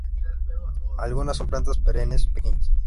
Algunas son plantas perennes pequeñas.